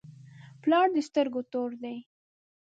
پلار د سترګو تور دی.